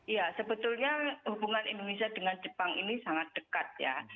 ya sebetulnya hubungan indonesia dengan jepang ini sangat dekat ya